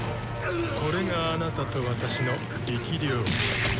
これがあなたと私の力量。